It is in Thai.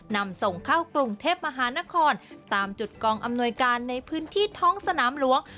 นำส่งเข้ากรุงเทพมหานครตามจุดกองอำนวยการในพื้นที่ท้องสนามหลวง